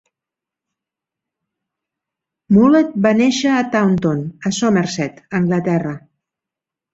Mullett va néixer a Taunton, a Somerset, Anglaterra.